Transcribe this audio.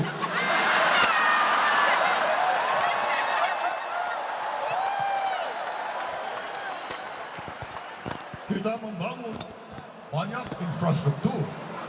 kita membangun banyak infrastruktur